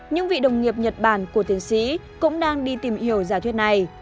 những vị đồng nghiệp nhật bản của tiến sĩ cũng đang đi tìm hiểu giả thuyết này